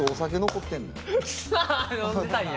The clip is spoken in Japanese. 飲んでたんや。